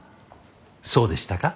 そうでしたか？